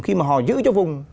khi mà họ giữ cho vùng